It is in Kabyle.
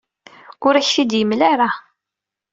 Ur ak-t-id-yemla ara.